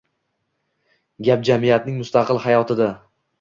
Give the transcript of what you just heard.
gap “jamiyatning mustaqil hayotida”